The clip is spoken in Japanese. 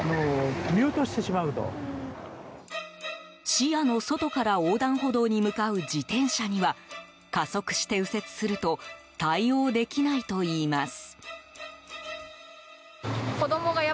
視野の外から横断歩道に向かう自転車には加速して右折すると対応できないといいます。